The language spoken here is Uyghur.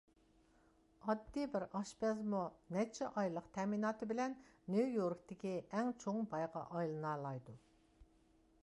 ئاددىي بىر ئاشپەزمۇ نەچچە ئايلىق تەمىناتى بىلەن نيۇ-يوركتىكى ئەڭ چوڭ بايغا ئايلىنالايدۇ.